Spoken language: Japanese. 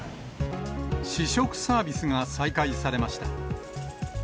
試食サービスが再開されました。